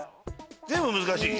全部難しい？